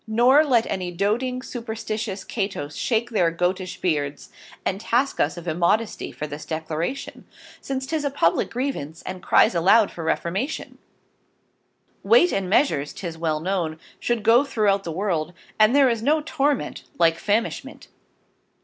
Nor let any Doating Superstitious Cato's shake their Goatish Beards, and tax us of Immodesty for this Declaration, since 'tis a publick Grievance, and cries aloud for Reformation, Weight and Measure, 'tis well known, should go throughout the world, and there is no torment like Famishment.